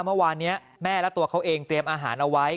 เมื่อวานนี้แม่และตัวเขาเองเตรียมอาหารเอาไว้